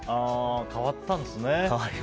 変わったんですね。